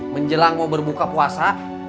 menjelang mau berbuka puasa